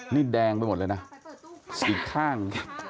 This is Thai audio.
นี่แดงไปหมดเลยนะอีกข้าง